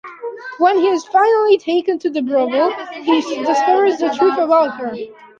When he is finally taken to the brothel, he discovers the truth about her.